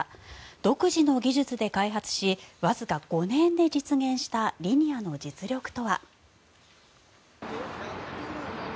独自の技術で開発しわずか５年で実現したリニアの実力とは。